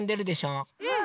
うん！